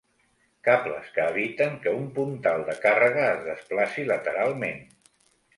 Cables que eviten que un puntal de càrrega es desplaci lateralment.